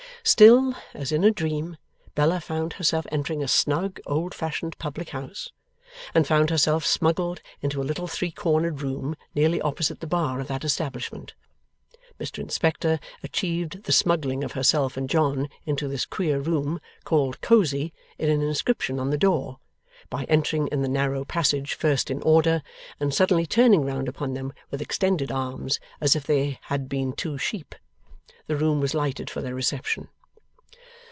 Still, as in a dream, Bella found herself entering a snug old fashioned public house, and found herself smuggled into a little three cornered room nearly opposite the bar of that establishment. Mr Inspector achieved the smuggling of herself and John into this queer room, called Cosy in an inscription on the door, by entering in the narrow passage first in order, and suddenly turning round upon them with extended arms, as if they had been two sheep. The room was lighted for their reception.